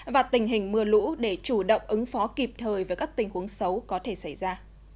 và tình hình mưa lũ để chủ động ứng phó kịp thời với các tình huống xấu có thể xảy ra